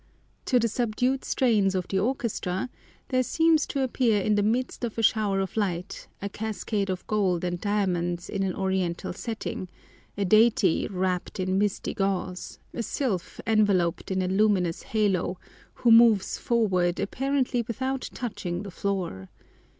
To the subdued strains of the orchestra there seems to appear in the midst of a shower of light, a cascade of gold and diamonds in an Oriental setting, a deity wrapped in misty gauze, a sylph enveloped in a luminous halo, who moves forward apparently without touching the floor.